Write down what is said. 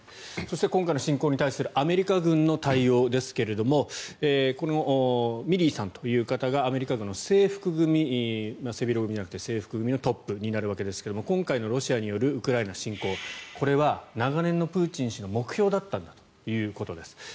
そして、今回の侵攻に対するアメリカ軍の対応ですがミリーさんという方がアメリカ軍の制服組のトップになるわけですが今回のロシアによるウクライナ侵攻。これは長年のプーチン氏の目標だったんだということです。